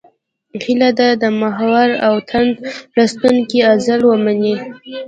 هیله ده د محور او تاند لوستونکي عذر ومني.